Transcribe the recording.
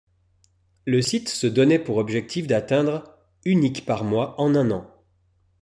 Le site se donnait pour objectif d'atteindre uniques par mois en un an.